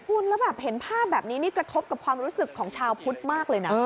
คุณแล้วแบบเห็นภาพแบบนี้นี่กระทบกับความรู้สึกของชาวพุทธมากเลยนะ